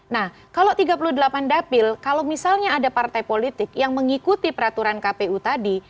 nah kalau tiga puluh delapan dapil kalau misalnya ada partai politik yang mengikuti peraturan kpu tadi